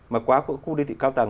mà quá khu đô thị cao tầng